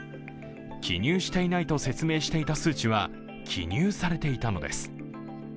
記入していないと説明していた数値は、記入されていたのです。